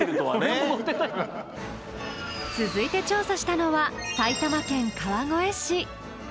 続いて調査したのは埼玉県川越市。